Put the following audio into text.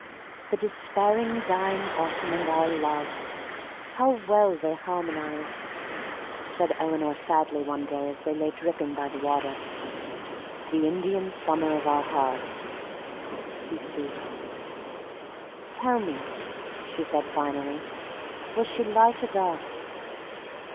"The despairing, dying autumn and our love—how well they harmonize!" said Eleanor sadly one day as they lay dripping by the water. "The Indian summer of our hearts—" he ceased. "Tell me," she said finally, "was she light or dark?"